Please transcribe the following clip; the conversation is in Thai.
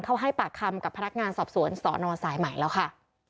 เขาให้ปากคำกับพนักงานสอบสวนสนสายใหม่แล้วค่ะ